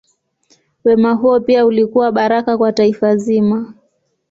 Wema huo pia ulikuwa baraka kwa taifa zima.